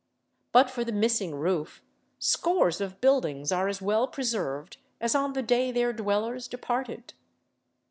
But for the missing roof, scores of buildings are as well preserved as on the day their dwellers departed.